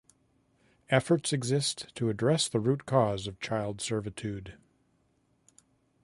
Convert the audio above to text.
Efforts exist to address the root cause of child servitude.